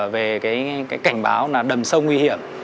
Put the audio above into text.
về cái cảnh báo là đầm sông nguy hiểm